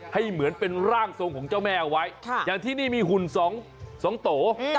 เหมือนเป็นร่างทรงของเจ้าแม่เอาไว้อย่างที่นี่มีหุ่นสองโต